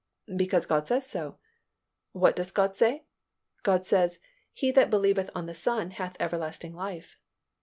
"Because God says so." "What does God say?" "God says, 'He that believeth on the Son hath everlasting life.